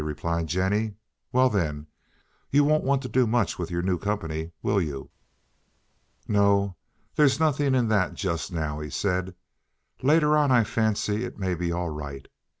replied Jennie. "Well, then you won't want to do much with your new company, will you?" "No; there's nothing in that, just now," he said. "Later on I fancy it may be all right.